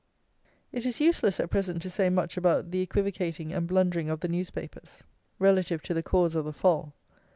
It is useless at present to say much about the equivocating and blundering of the newspapers, relative to the cause of the fall.